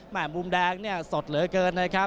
แม่มุมแดงสดเหลือเกินนะครับ